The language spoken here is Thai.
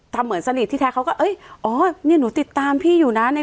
เหมือนสนิทที่แท้เขาก็เอ้ยอ๋อนี่หนูติดตามพี่อยู่นะ